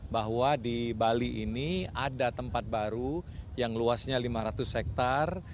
bahwa di bali ini ada tempat baru yang luasnya lima ratus hektare